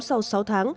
sau sáu tháng